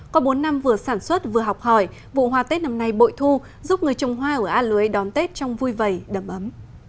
có bốn năm vừa sản xuất vừa học hỏi vụ hoa tết năm nay bội thu giúp người trồng hoa ở a lưới đón tết trong vui vầy đầm ấm